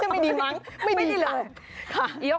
ไม่ดีค่ะไม่ได้เลย